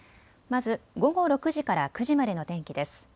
まず午後６時から９時までの天気です。